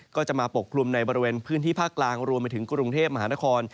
ก็จะมาปกคลุมในบริเวณพื้นที่ภาคกลางรวมไปถึงกรุงเทพมหานคร